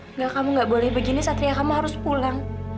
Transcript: enggak kamu nggak boleh begini satria kamu harus pulang